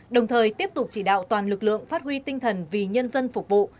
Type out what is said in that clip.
đồng thời tiếp tục chỉ đạo toàn lực lượng phát huy tinh thần vì nhân dân phục vụ